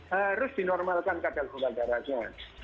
harus dinormalkan kadal gula darahnya